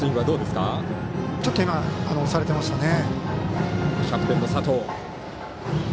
ちょっと押されてましたね。